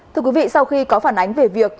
thưa quý vị sau khi có phản ánh về việc